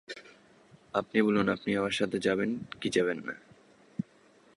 আপনি বলুন আপনি আমার সাথে যাবেন কি যাবেন না।